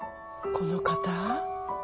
この方？